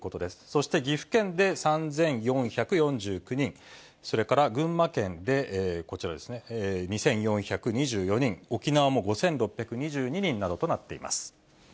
そして、岐阜県で３４４９人、それから群馬県で、こちらですね、２４２４人、沖縄も５６２２人などとなっています。